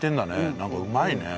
なんかうまいね。